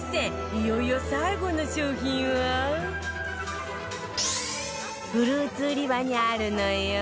いよいよ最後の商品はフルーツ売り場にあるのよ